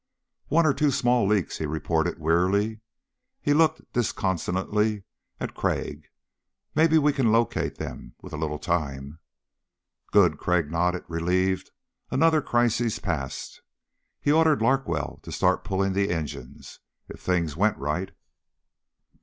"One or two small leaks," he reported wearily. He looked disconsolately at Crag. "Maybe we can locate them with a little time." "Good." Crag nodded, relieved. Another crisis past. He ordered Larkwell to start pulling the engines. If things went right....